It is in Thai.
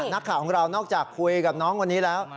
นักข่าวของเรานอกจากคุยกับน้องคนนี้แล้ว